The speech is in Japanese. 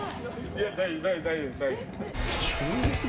いや、大丈夫、大丈夫。